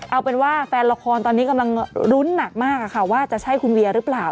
เอาเป็นว่าแฟนละครตอนนี้กำลังรุ้นหนักมากว่าจะใช่คุณเวียหรือเปล่า